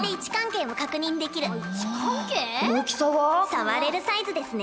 触れるサイズですね。